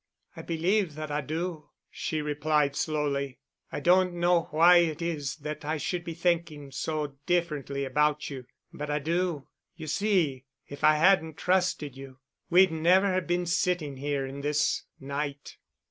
"I believe that I do," she replied slowly. "I don't know why it is that I should be thinking so differently about you, but I do. You see, if I hadn't trusted you we'd never have been sitting here this night."